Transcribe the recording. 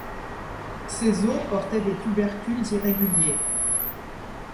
Ces os portaient des tubercules irréguliers.